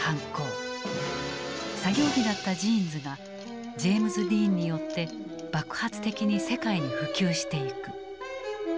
作業着だったジーンズがジェームズ・ディーンによって爆発的に世界に普及していく。